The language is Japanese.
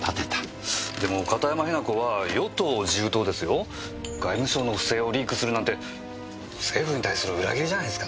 でも片山雛子は与党自友党ですよ。外務省の不正をリークするなんて政府に対する裏切りじゃないですかね。